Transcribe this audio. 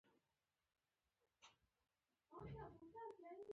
پسه یې په وریجو سره په ګډه توده مېله پرې وکړه.